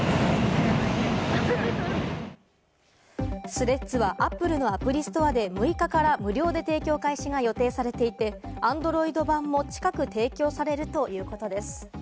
スレッズはＡｐｐｌｅのアプリストアで６日から無料で提供開始が予定されていて、アンドロイド版も近く提供されるということです。